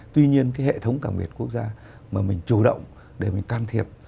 tuy nhiên cái hệ thống cảng biển quốc gia mà mình chủ động để mình can thiệp